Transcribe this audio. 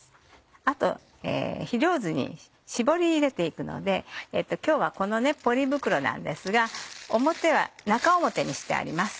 あとひりょうずに絞り入れて行くので今日はこのポリ袋なんですが中表にしてあります。